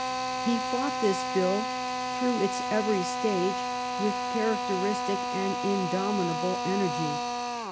He fought this bill through its every stage with characteris tic and indomitable energy.